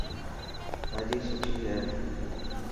ڀاڄي سٺي هي.